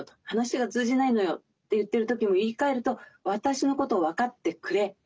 「話が通じないのよ」って言ってる時も言いかえると「私のことを分かってくれ」